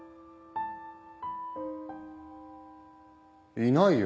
いないよ。